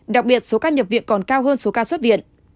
đặc biệt số ca nhập viện còn cao hơn số ca xuất viện